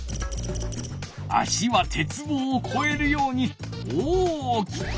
足は鉄棒をこえるように大きくふる。